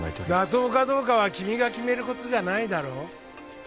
妥当かどうかは君が決めることじゃないだろ